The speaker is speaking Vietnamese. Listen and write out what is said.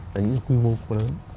là những quy mô lớn